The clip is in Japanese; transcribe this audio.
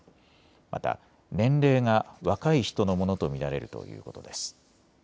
また年齢が若い人のものと見られるということです。